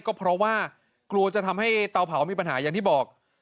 ก็เพราะว่ากลัวจะทำให้เตาเผามีปัญหาอย่างที่บอก